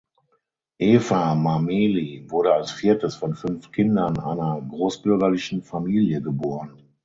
Eva Mameli wurde als viertes von fünf Kindern einer großbürgerlichen Familie geboren.